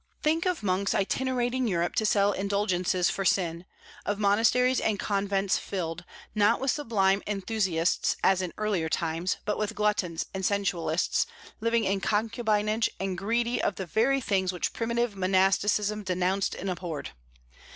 Think of monks itinerating Europe to sell indulgences for sin; of monasteries and convents filled, not with sublime enthusiasts as in earlier times, but with gluttons and sensualists, living in concubinage and greedy of the very things which primitive monasticism denounced and abhorred!